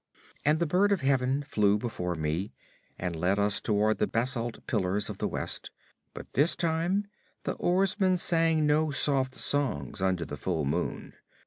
And the bird of heaven flew before, and led us toward the basalt pillars of the West, but this time the oarsmen sang no soft songs under the full moon.